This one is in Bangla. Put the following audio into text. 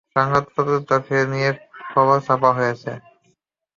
সংবাদপত্রে তোকে নিয়ে খবর ছাঁপা হয়েছে।